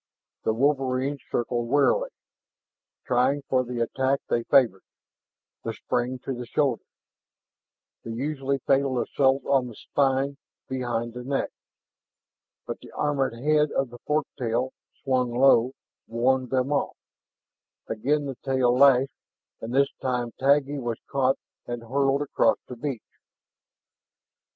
The wolverines circled warily, trying for the attack they favored the spring to the shoulders, the usually fatal assault on the spine behind the neck. But the armored head of the fork tail, slung low, warned them off. Again the tail lashed, and this time Taggi was caught and hurled across the beach.